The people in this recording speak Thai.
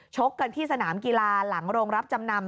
ชกกันที่สนามกีฬาหลังโรงรับจำนำ